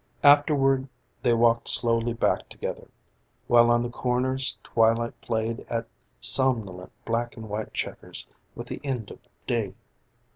Afterward they walked slowly back together, while on the corners twilight played at somnolent black and white checkers with the end of day.